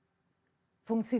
atau ada yang yang tetap nggak